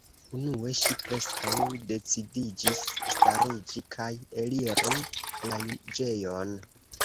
Unue ŝi preskaŭ decidiĝis stariĝi kaj eliri la juĝejon.